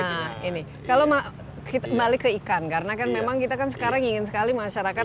nah ini kalau kita balik ke ikan karena kan memang kita kan sekarang ingin sekali masyarakat